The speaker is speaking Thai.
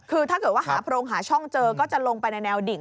คือถ้าเกิดว่าหาโพรงหาช่องเจอก็จะลงไปในแววดิ่ง